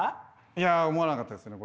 いや思わなかったですね